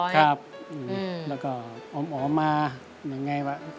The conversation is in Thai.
ครับแล้วก็อ๋อมายังไงวะ